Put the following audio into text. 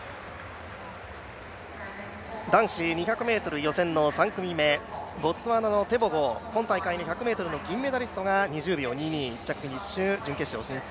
男子２００ｍ予選の３組目ボツワナのテボゴ、今大会１００ｍの銀メダリストが２０秒２２１着フィニッシュ、準決勝進出。